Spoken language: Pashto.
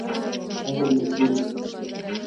هغه مجبور کړ.